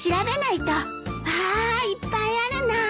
わあいっぱいあるな。